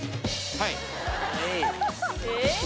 はい！